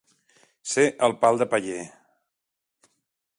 Ser el pal de paller.